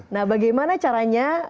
nah bagaimana caranya